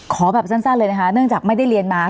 ขอแบบสั้นเลยนะคะเนื่องจากไม่ได้เรียนมา